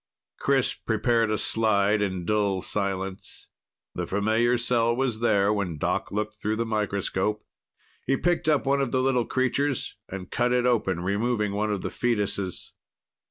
Chris prepared a slide in dull silence. The familiar cell was there when Doc looked through the microscope. He picked up one of the little creatures and cut it open, removing one of the foetuses.